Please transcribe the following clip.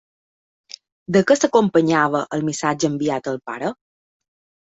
De què s'acompanyava el missatge enviat al pare?